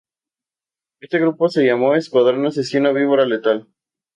Ese grupo se llamó Escuadrón Asesino Víbora Letal.